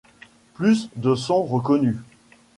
Plus de sont reconnues.